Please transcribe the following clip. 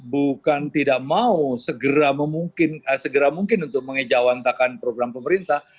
bukan tidak mau segera mungkin untuk mengejawantakan program pemerintah